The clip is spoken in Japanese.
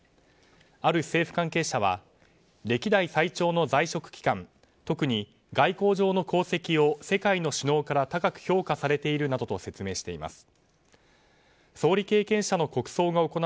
ある政府関係者は歴代最長の在職期間特に外交上の功績を世界の首脳から高く評価されているなどと説明しています。